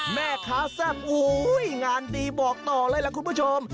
แม่ค้าแซ่บโอ้โหงานดีบอกต่อเลยล่ะคุณผู้ชม